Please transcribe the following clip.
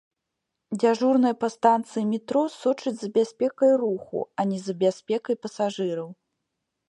Дзяжурная па станцыі метро сочыць за бяспекай руху, а не за бяспекай пасажыраў.